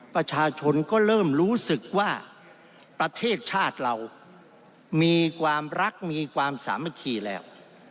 ประชาชนก็เริ่มรู้สึกว่าประเทศชาติเรามีความรักมีความสามัคคีแล้ว